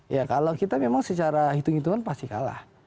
ya kalau kita memang secara hitung hitungan pasti kalah